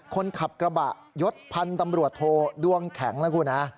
คนขับกระบะยดพันธุ์ตำรวจโทดวงแข็งนะคุณฮะ